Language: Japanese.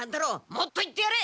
もっと言ってやれ！